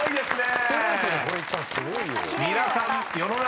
すごーい！